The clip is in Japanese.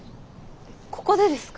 ここでですか？